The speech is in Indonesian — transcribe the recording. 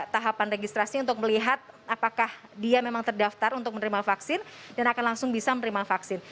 jadi sudah ada tahapan registrasi untuk melihat apakah dia memang terdaftar untuk menerima vaksin dan akan langsung bisa menerima vaksin